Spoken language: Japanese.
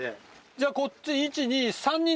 じゃこっち１・２。